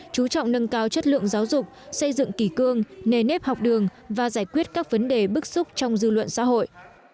chú trọng nâng cao chất lượng giáo dục xây dựng kỳ cương nề nếp học đường và giải quyết các vấn đề bức xúc trong dư luận xã hội